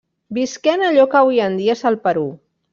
Visqué en allò que avui en dia és el Perú.